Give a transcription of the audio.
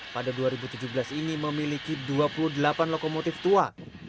pada dua ribu tujuh belas ini memiliki dua puluh delapan lokomotif tua